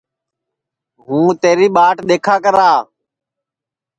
ہُوں تیری ٻاٹ دؔیکھا کرا